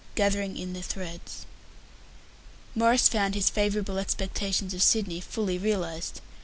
GATHERING IN THE THREADS. Maurice found his favourable expectations of Sydney fully realized.